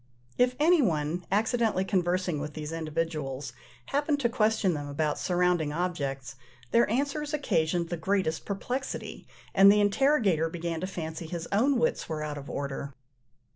If any one, accidentally conversing with these individuals, happened to question them about surrounding objects, their answers occasioned the greatest perplexity, and the interrogator began to fancy his own wits were out of order.